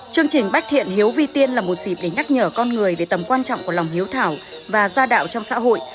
chương trình bách thiện hiếu vi tiên là một dịp để nhắc nhở con người về tầm quan trọng của lòng hiếu thảo và gia đạo trong xã hội